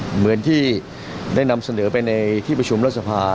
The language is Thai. เหมือนที่ได้นำเสนอไปในที่ประชุมรัฐสภา